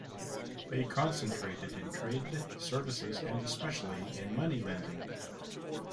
They concentrated in trade, services, and especially in money lending.